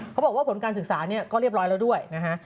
บอกว่าผลการศึกษาเนี่ยก็เรียบร้อยแล้วด้วยนะฮะ